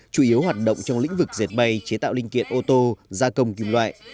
chủ yếu hoạt động trong lĩnh vực diệt bay chế tạo linh kiện ô tô gia công kim loại